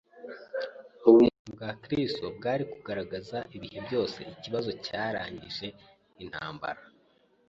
Ubumuntu bwa Kristo bwari kugaragaza ibihe byose ikibazo cyarangije intambara.